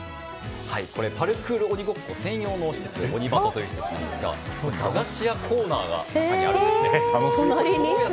パルクール鬼ごっこ専用施設オニバトという施設なんですが駄菓子屋コーナーがあるんです。